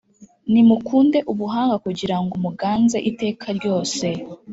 nimukunde Ubuhanga kugira ngo muganze iteka ryose.